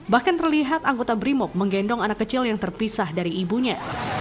bahkan terlihat anggota brimob menggendong anak kecil yang terpisah dari ibunya